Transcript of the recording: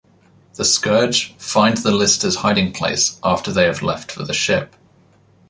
The Scourge find the Listers' hiding place after they have left for the ship.